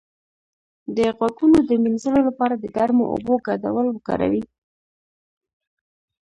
د غوږونو د مینځلو لپاره د ګرمو اوبو ګډول وکاروئ